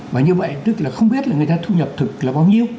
và như vậy tức là không biết là người ta thu nhập thực là bao nhiêu